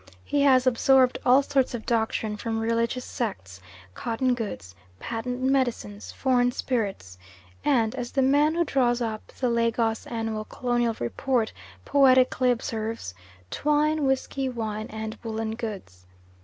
He has absorbed all sorts of doctrine from religious sects; cotton goods, patent medicines, foreign spirits, and as the man who draws up the Lagos Annual Colonial Report poetically observes twine, whisky, wine, and woollen goods.